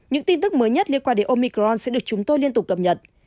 những tin tức mới nhất liên quan đến omicron sẽ được chúng tôi liên tục cập nhật